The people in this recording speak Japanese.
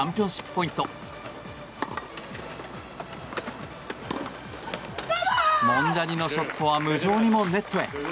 モンジャニのショットは無情にもネットへ。